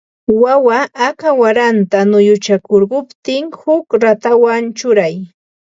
Wawa aka waranta nuyuchakurquptin huk ratapawan churay